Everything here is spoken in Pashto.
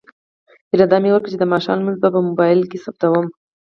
اراده مې وکړه چې د ماښام لمونځ به په موبایل کې ثبتوم.